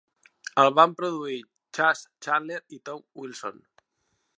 El van produir Chas Chandler i Tom Wilson.